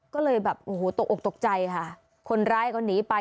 ก็เลยแบบโอ้โหตกอกตกใจค่ะคนร้ายก็หนีไป